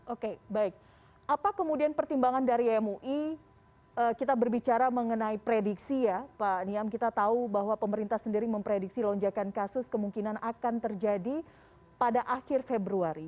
oke baik apa kemudian pertimbangan dari mui kita berbicara mengenai prediksi ya pak niam kita tahu bahwa pemerintah sendiri memprediksi lonjakan kasus kemungkinan akan terjadi pada akhir februari